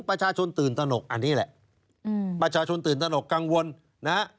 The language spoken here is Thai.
ประชาชนตื่นตนกอันนี้แหละประชาชนตื่นตนกกังวลนะฮะ